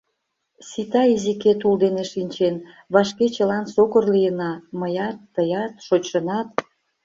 Сита изике тул дене шинчен, вашке чылан сокыр лийына — мыят, тыят, шочшынат.